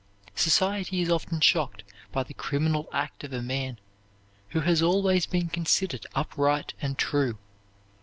Society is often shocked by the criminal act of a man who has always been considered upright and true.